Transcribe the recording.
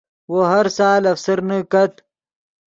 وو ہر سال افسرنے کت